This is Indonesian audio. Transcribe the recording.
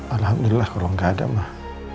alhamdulillah kurang gak ada mah